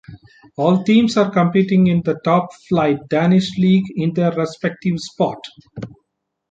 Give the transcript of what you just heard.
All teams are competing in the top-flight Danish league in their respective sport.